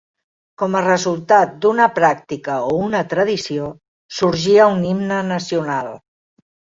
Com a resultat d'una pràctica o una tradició, sorgia un himne nacional.